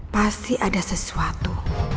pasti ada sesuatu